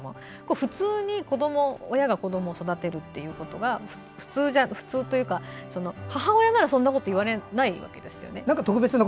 普通に親が子どもを育てるということが普通というか母親ならそういうことは言われないわけで。